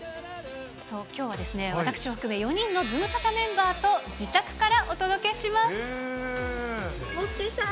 そう、きょうは私を含め、４人のズムサタメンバーと自宅からお届モッチーさん。